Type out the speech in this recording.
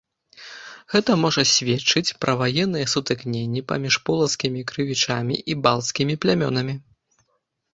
Гэта можа сведчыць пра ваенныя сутыкненні паміж полацкімі крывічамі і балцкімі плямёнамі.